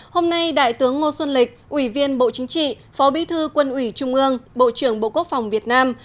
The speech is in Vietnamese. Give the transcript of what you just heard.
hôm nay đại tướng ngô xuân lịch ủy viên bộ chính trị phó bí thư quân ủy trung ương bộ trưởng bộ quốc phòng việt nam